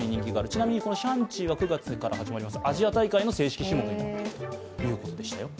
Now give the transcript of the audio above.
ちなみにこのシャンチーは９月から始まるアジア大会の正式種目になったということでしたよ。